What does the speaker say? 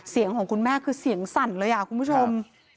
ของคุณแม่คือเสียงสั่นเลยคุณผู้ชม